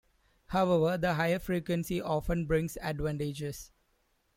However, the higher frequency often brings advantages.